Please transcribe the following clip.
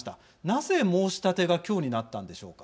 なぜ申し立てが今日になったのでしょうか。